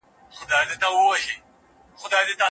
جاسوس د دې کار يوه روښانه بېلګه ده.